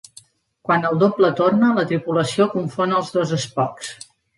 Quan el doble torna, la tripulació confon els dos Spocks.